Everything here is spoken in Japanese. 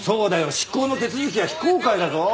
執行の手続きは非公開だぞ。